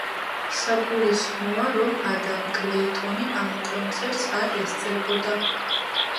საგულისხმოა, რომ ადამ კლეიტონი ამ კონცერტს არ ესწრებოდა.